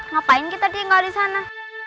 ngapain kita tinggal disana